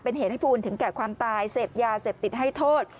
เป็นเหตุให้ฟูลถึงแก่ความตายเสพยาเสพติดให้โทษ